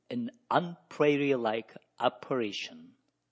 AN UN PRAIRIE LIKE APPARITION.